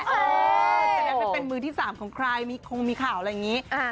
จะได้ไม่เป็นมือที่๓ของใครคงมีข่าวอะไรอย่างนี้